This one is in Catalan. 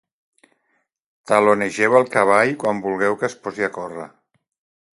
Talonegeu el cavall quan vulgueu que es posi a córrer.